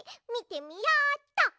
みてみようっと。